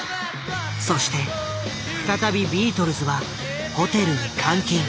そして再びビートルズはホテルに監禁。